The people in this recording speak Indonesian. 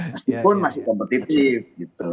meskipun masih kompetitif gitu